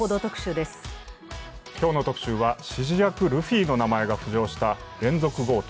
今日の特集は指示役・ルフィの名前が浮上した連続強盗。